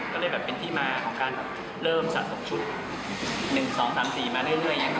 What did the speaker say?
ก็เลยมีที่มาจากการเริ่มสรับชุด๑๒๓๔มาเรื่อง